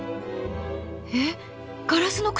えっガラスの靴？